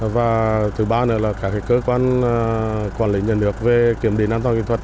và thứ ba nữa là các cơ quan quản lý nhân lực về kiểm định an toàn kỹ thuật